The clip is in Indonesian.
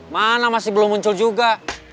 mana masih belum muncul juga